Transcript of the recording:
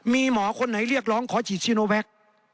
มีหมอคนไหนเรียกร้องขอฉีดชิโนแวค